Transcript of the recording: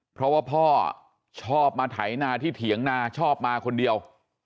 เพราะว่าพ่อชอบมาไถนาที่เถียงนาชอบมาคนเดียว